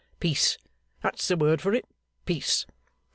Peace. That's the word for it. Peace.